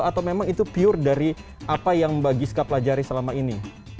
atau memang itu pure dari apa yang mbak giska pelajari selama ini